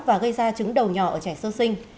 và gây ra chứng đầu nhỏ ở trẻ sơ sinh